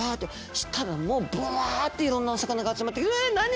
そしたらもうブワッていろんなお魚が集まってうわあ何？